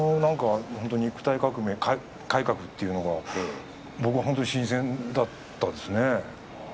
肉体革命、改革というのは僕は本当に新鮮だったんですね。